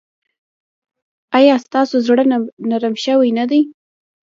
ایا ستاسو زړه نرم شوی نه دی؟